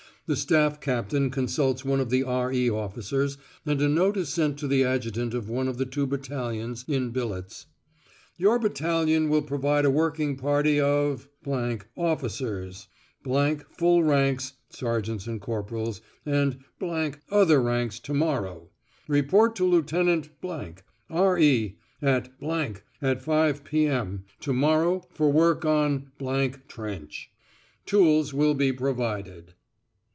The Staff Captain consults one of the R.E. officers, and a note is sent to the Adjutant of one of the two battalions in billets: "Your battalion will provide a working party of ... officers ... full ranks (sergeants and corporals) and ... other ranks to morrow. Report to Lt. ..., R.E., at ... at 5.0 p.m. to morrow for work on ... Trench. Tools will be provided."